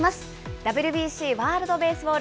ＷＢＣ・ワールドベースボール